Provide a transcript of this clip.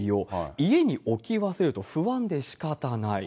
家に置き忘れると、不安でしかたない。